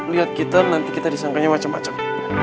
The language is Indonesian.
lihat gitar nanti kita disangkanya macam macam